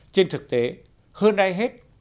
trên thực tế hơn ai hết